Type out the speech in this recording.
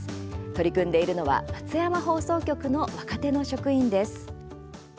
取り組んでいるのは松山放送局の若手の職員です。